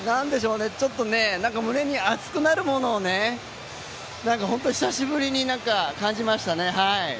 ちょっと胸に熱くなるものを久しぶりに感じましたね。